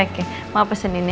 oke oke ma pesenin ya